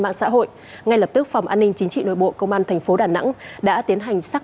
mạng xã hội ngay lập tức phòng an ninh chính trị nội bộ công an thành phố đà nẵng đã tiến hành xác